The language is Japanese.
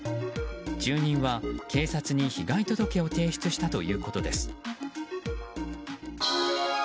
住人は警察に被害届を提出したということです。